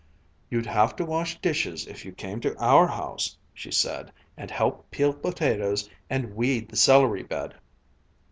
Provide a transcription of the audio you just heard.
"You'd have to wash dishes if you came to our house," she said, "and help peel potatoes, and weed the celery bed."